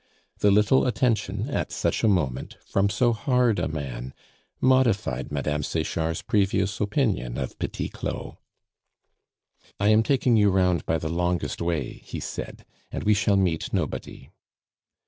The little attention, at such a moment, from so hard a man, modified Mme. Sechard's previous opinion of Petit Claud. "I am taking you round by the longest way," he said, "and we shall meet nobody."